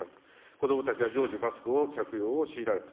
子どもたちは常時マスクの着用を強いられる。